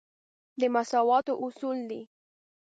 د مساواتو اصول دی.